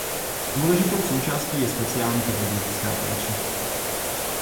Důležitou součástí je speciální pedagogická péče.